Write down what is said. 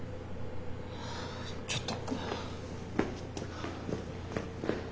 ちょっと。